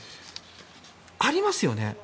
ありますよね。